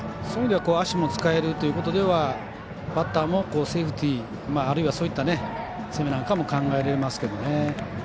そういう意味では足も使えるという意味ではバッターもセーフティー、あるいはそういった攻めなんかも考えられますけどね。